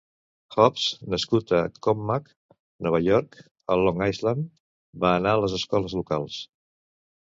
Hubbs, nascut a Commack, Nova York a Long Island, va anar a les escoles locals.